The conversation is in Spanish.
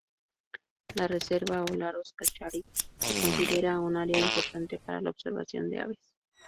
La reserva Olaroz-Cauchari se considera un área importante para la observación de aves.